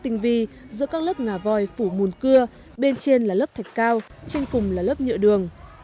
tình vi do các lớp ngà voi phủ mùn cưa bên trên là lớp thạch cao trên cùng là lớp nhựa đường